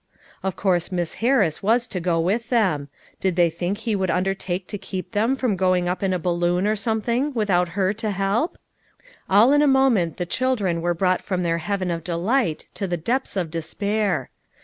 Of course Miss Harris was to go with them; did they think he would under take to keep them from going up in a balloon, or something, without her to help! All in a moment the children were brought from their heaven of delight to the depths of despair.